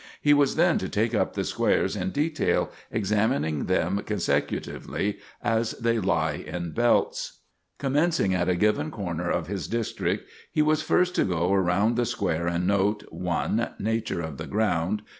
He was then to take up the squares in detail, examining them consecutively as they lie in belts. Commencing at a given corner of his district, he was first to go around the square and note: 1. Nature of the ground.